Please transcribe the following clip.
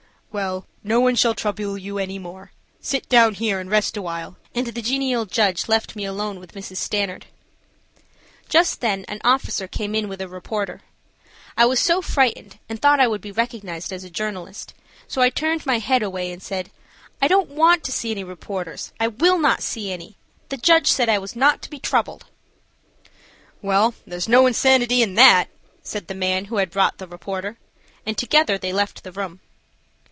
"Well, no one shall trouble you any more. Sit down here and rest awhile," and the genial judge left me alone with Mrs. Stanard. Just then an officer came in with a reporter. I was so frightened, and thought I would be recognized as a journalist, so I turned my head away and said, "I don't want to see any reporters; I will not see any; the judge said I was not to be troubled." "Well, there is no insanity in that," said the man who had brought the reporter, and together they left the room.